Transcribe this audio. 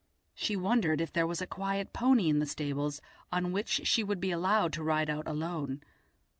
She wondered if there was a quiet pony in the stables on which she would be allowed to ride out alone.